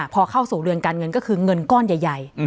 พอเข้าสู่เรือนการเงินก็คือเงินก้อนใหญ่